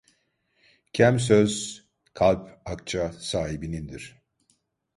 Kem söz, kalp akça sahibinindir.